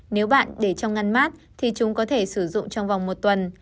nếu bạn để trong ngăn mát thì chúng có thể sử dụng trong vòng một tuần